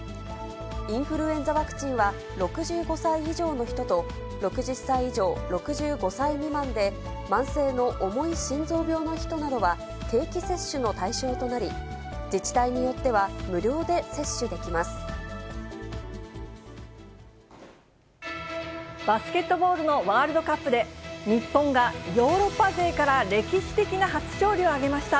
インフルエンザワクチンは６５歳以上の人と、６０歳以上、６５歳未満で慢性の重い心臓病の人などは定期接種の対象となり、自治体によっては、バスケットボールのワールドカップで、日本がヨーロッパ勢から歴史的な初勝利を挙げました。